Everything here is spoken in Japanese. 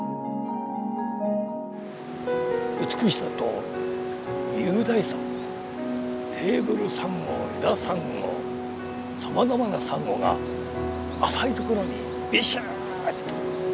美しさと雄大さテーブルサンゴ枝サンゴさまざまなサンゴが浅いところにビシーっと。